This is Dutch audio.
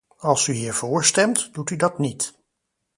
Als u hier vóór stemt, doet u dat niet.